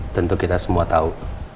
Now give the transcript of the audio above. tentu kita semua tahu